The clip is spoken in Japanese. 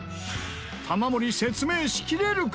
玉森、説明しきれるか？